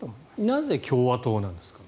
なぜ共和党なんですか？